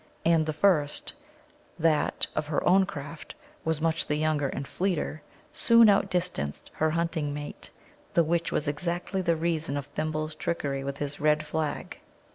And the first, that (of her own craft) was much the younger and fleeter, soon out distanced her hunting mate, the which was exactly the reason of Thimble's trickery with his red flag.